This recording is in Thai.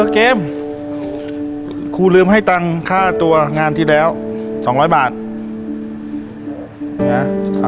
เกมครูลืมให้ตังค์ค่าตัวงานที่แล้ว๒๐๐บาท